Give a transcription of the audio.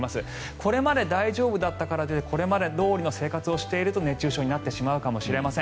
これまで大丈夫だったからとこれまでどおりの生活をしていると熱中症になってしまうかもしれません。